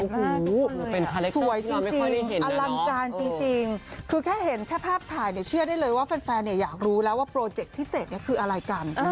หูสวยจริงอารัมกาลจริงคือแค่เห็นแค่ภาพถ่ายเชื่อได้เลยว่าแฟนอยากรู้แล้วว่าโปรเจคที่เสร็จเนี่ยคืออะไรกัน